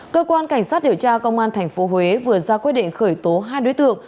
cơ quan cảnh sát điều tra công an tp huế vừa ra quyết định khởi tố hai đối tượng